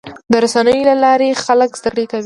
د رسنیو له لارې خلک زدهکړه کوي.